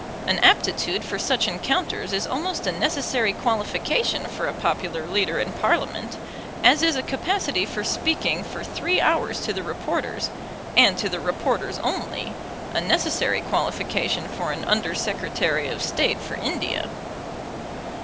An aptitude for such encounters is almost a necessary qualification for a popular leader in Parliament, as is a capacity for speaking for three hours to the reporters, and to the reporters only, a necessary qualification for an Under Secretary of State for India.